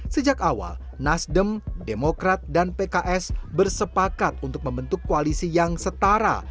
sejak awal nasdem demokrat dan pks bersepakat untuk membentuk koalisi yang setara